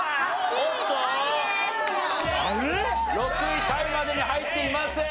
６位タイまでに入っていません。